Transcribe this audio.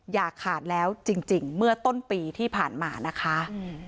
อย่าขาดแล้วจริงเมื่อต้นปีที่ผ่านมานะคะ